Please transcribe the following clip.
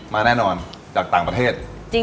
มาแน่นอนจากต่างประเทศ